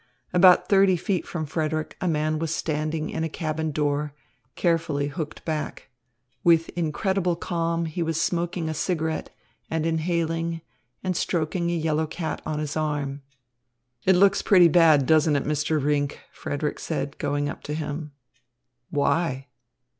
About thirty feet from Frederick, a man was standing in a cabin door, carefully hooked back. With incredible calm he was smoking a cigarette and inhaling, and stroking a yellow cat on his arm. "It looks pretty bad, doesn't it, Mr. Rinck?" Frederick said, going up to him. "Why?"